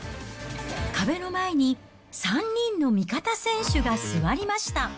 壁の前に３人の味方選手が座りました。